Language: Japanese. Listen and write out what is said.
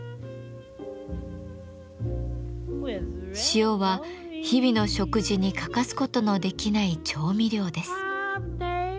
塩は日々の食事に欠かすことのできない調味料です。